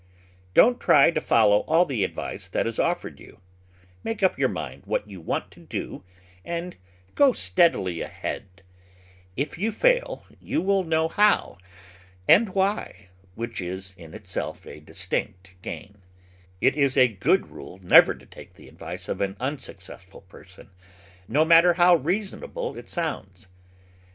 Don't try to follow all the advice that is offered you; make up your mind what you want to do and go steadily ahead. If you fail. you will know how, •S3 Digitized by Google 254 The Flower Garden [Chapter and why, which is in itself a distinct gain. It is a good rule never to take the advice of an unsuccessful person, no matter how reasonable it sounds.